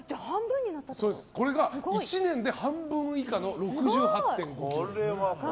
これが１年で半分以下の６８．５ｋｇ。